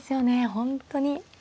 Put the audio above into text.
本当に。